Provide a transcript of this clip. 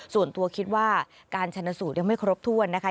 ส่วนตัวคิดว่าการชนสูตรยังไม่ครบถ้วนนะคะ